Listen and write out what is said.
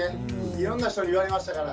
いろんな人に言われましたから。